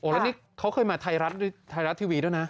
แล้วนี่เขาเคยมาไทยรัฐทีวีด้วยนะ